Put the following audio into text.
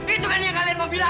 itu kan yang kalian mau bilang